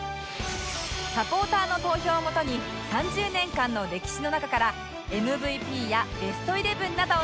サポーターの投票をもとに３０年間の歴史の中から ＭＶＰ やベストイレブンなどを決定します